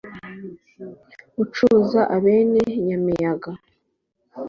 ucuza abene nyamiyaga.